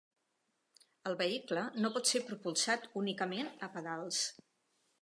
El vehicle no pot ser propulsat únicament a pedals.